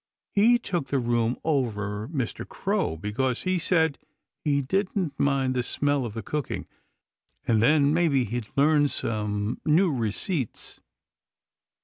He took the room over Mr. Crow, because he said he didn't mind the smell of the cooking, and then maybe he'd learn some new receipts.